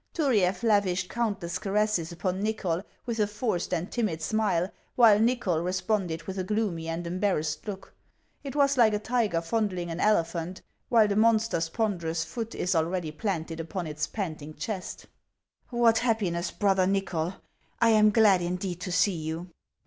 Turiaf lavished countless caresses upon Xychol with a forced and timid smile, while Xychol responded with a gloomy and embarrassed look. Tt was like a tiger fon dling an elephant, while the monster's ponderous foot is already planted upon its panting chest. HANS OF ICELAND. 513 " What happiness, brother Nychol ! I am glad indeed to see you."